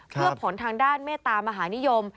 เพื่อผลทางด้านเมตตามหานิยม